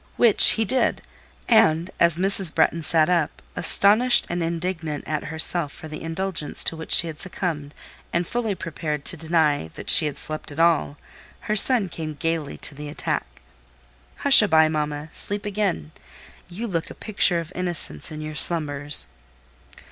Which he did; and, as Mrs. Bretton sat up—astonished and indignant at herself for the indulgence to which she had succumbed, and fully prepared to deny that she had slept at all—her son came gaily to the attack. "Hushaby, mamma! Sleep again. You look the picture of innocence in your slumbers."